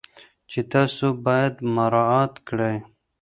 چې تاسو باید مراعات کړئ.